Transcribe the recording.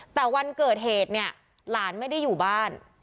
แต่วันเกิดเหตุเนี่ยหลานไม่ได้อยู่บ้าน